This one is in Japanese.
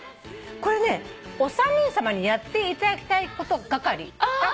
これね「お三人さまにやっていただきたいこと係」ああ。